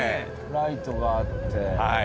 ライトがあって。